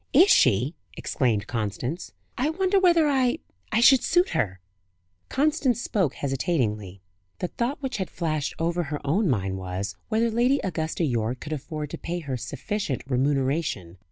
"Is she?" exclaimed Constance. "I wonder whether I should suit her?" Constance spoke hesitatingly. The thought which had flashed over her own mind was, whether Lady Augusta Yorke could afford to pay her sufficient remuneration.